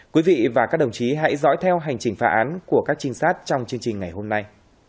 quý vị và các đồng chí hãy dõi theo hành trình phá án của các trinh sát trong chương trình ngày hôm nay